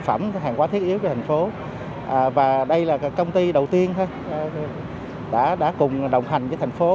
phẩm hàng quá thiết yếu cho thành phố và đây là công ty đầu tiên đã cùng đồng hành với thành phố